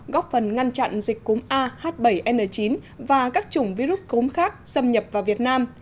góp phần ngăn chặn dịch cúm ah bảy n chín và các chủng virus cúm khác xâm nhập vào việt nam